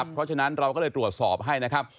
เพราะฉะนั้นเราก็เลยตรวจสอบให้นะครับ